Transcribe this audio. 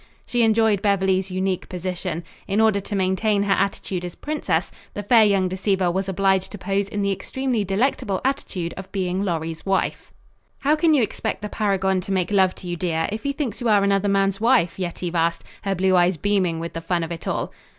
She enjoyed Beverly's unique position. In order to maintain her attitude as princess, the fair young deceiver was obliged to pose in the extremely delectable attitude of being Lorry's wife. "How can you expect the paragon to make love to you, dear, if he thinks you are another man's wife?" Yetive asked, her blue eyes beaming with the fun of it all.